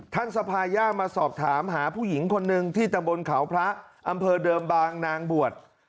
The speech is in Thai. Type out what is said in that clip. สภาย่ามาสอบถามหาผู้หญิงคนหนึ่งที่ตำบลเขาพระอำเภอเดิมบางนางบวช